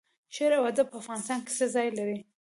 شعر او ادب په افغانستان کې څه ځای لري؟